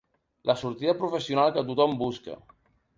La sortida professional que tothom busca.